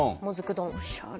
おしゃれ。